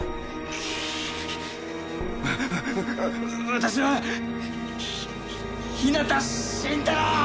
私はひ日向新太郎！